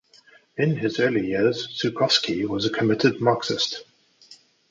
In his early years, Zukofsky was a committed Marxist.